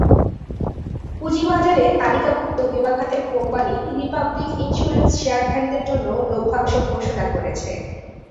পুঁজিবাজারে তালিকাভুক্ত বিমা খাতের কোম্পানি রিপাবলিক ইনস্যুরেন্স শেয়ারধারীদের জন্য লভ্যাংশ ঘোষণা করেছে।